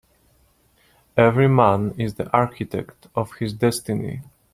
Every man is the architect of his destiny.